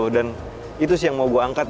dan itu sih yang mau gue angkat